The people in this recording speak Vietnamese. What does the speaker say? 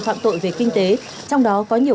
phạm tội về kinh tế trong đó có nhiều